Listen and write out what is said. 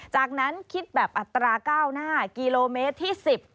จากนั้นคิดแบบอัตราก้าวหน้ากิโลเมตรที่๑๐